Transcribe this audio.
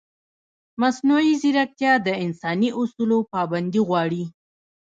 مصنوعي ځیرکتیا د انساني اصولو پابندي غواړي.